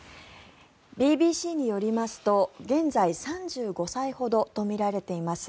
ＢＢＣによりますと現在３５歳ほどとみられています